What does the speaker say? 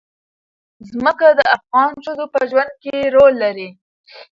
ځمکه د افغان ښځو په ژوند کې رول لري.